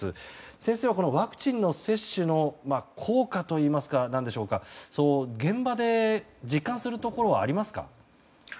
先生はワクチンの接種の効果といいますか現場で実感するところはありますか？